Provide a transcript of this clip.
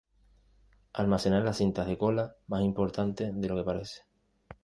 Almacenar las cintas "de cola" más importante de lo que parece.